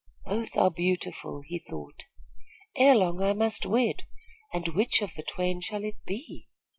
"Both are beautiful," he thought. "Ere long I must wed, and which of the twain shall it be?